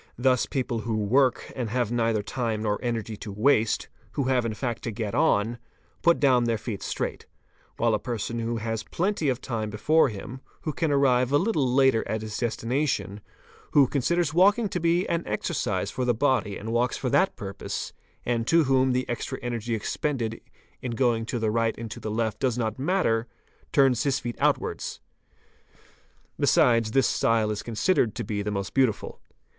Thus" people who work and have neither time nor energy to waste, who have' in fact to get on, put down their feet straight; while a person who has plenty of time before him, who can arrive a little later at his destination, | THE WALKING IMAGE 521 who considers walking to be an exercise for the body and walks for that purpose, and to whom the extra energy expended in going to the right and to the left does not matter, turns his feet outwards. Besides, this style is considered to be the most beautiful.